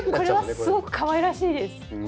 これはすごくかわいらしいです。